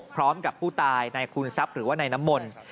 พร้อมกับผู้ตายนายคูณซับหรือว่านายนามน